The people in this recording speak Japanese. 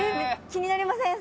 気になりません？